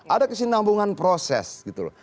ada kesinambungan proses gitu loh